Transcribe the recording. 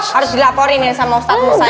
harus dilaporin sama ustadz musa ini